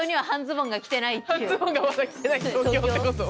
半ズボンがまだ来てない東京ってこと？